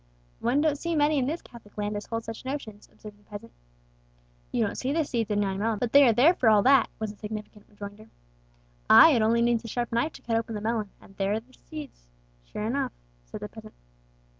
"One don't see many in this Catholic land as hold such notions," observed the peasant. "You don't see the seeds in yon melon; but they are there for all that," was the significant rejoinder. "Ay, it only needs the sharp knife to cut open the melon, and there are the seeds sure enough," said the peasant.